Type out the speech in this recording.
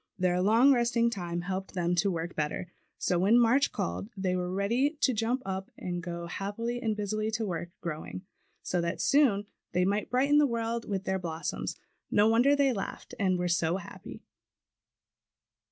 Their long resting time helped them to work better. So when March called they were ready to jump up and go happily and busily to work growing, so that soon they might brighten the world with their blossoms. No wonder they laughed and were so happy.